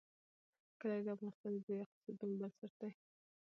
کلي د افغانستان د ځایي اقتصادونو بنسټ دی.